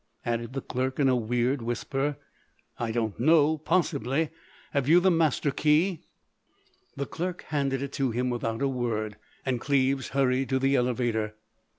added the clerk in a weird whisper. "I don't know. Possibly. Have you the master key?" The clerk handed it to him without a word; and Cleves hurried to the elevator.